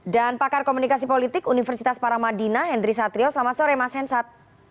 dan pakar komunikasi politik universitas paramadina hendry satrio selamat sore mas hensat